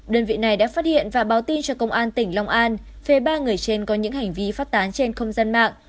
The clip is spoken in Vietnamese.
đơn vị này đã phát hiện và báo tin cho công an tỉnh long an về ba người trên có những hành vi phát tán trên không gian mạng